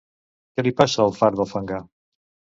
Què li passa al far del fangar?